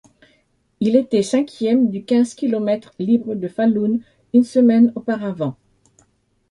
Il était cinquième du quinze kilomètres libre de Falun une semaine auparavant.